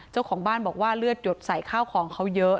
เจ้าของบ้านบอกว่าเลือดหยดใส่ข้าวของเขาเยอะ